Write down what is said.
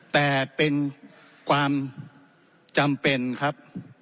แต่เป็นความจำเป็นครับ